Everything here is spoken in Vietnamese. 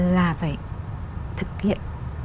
là phải thực hiện